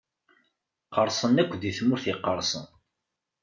Qqerṣen akk di tmurt iqerṣen.